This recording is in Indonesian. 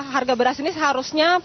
harga beras ini seharusnya